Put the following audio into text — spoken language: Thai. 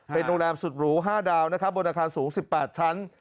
เป็นโรงแรมสุดหรู๕ดาวนะครับบนอาคารสูง๑๘ชั้น